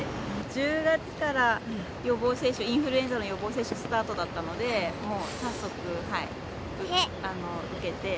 １０月から予防接種、インフルエンザの予防接種スタートだったので、もう早速受けて。